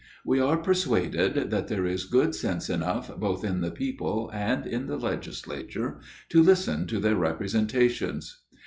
We are persuaded, that there is good sense enough, both in the people and in the legislature, to listen to their representations.